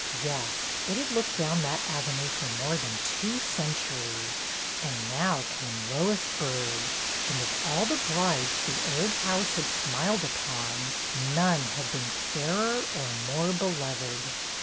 Yes, it had looked down that avenue for more than two centuries; and now came Lois Byrd ; and of all the brides the old house had smiled upon, none had been fairer or more beloved.